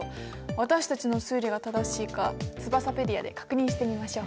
私たちの推理が正しいかツバサペディアで確認してみましょう。